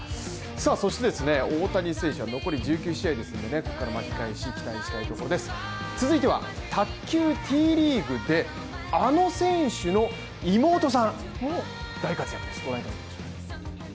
そして大谷選手は残り１９試合ですので、ここから巻き返しを期待したいところです続いては、卓球Ｔリーグであの選手の妹さん、大活躍です。